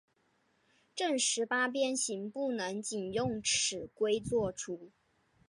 正十八边形不能仅用尺规作出。